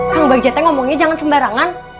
kang bagjate ngomongnya jangan sembarangan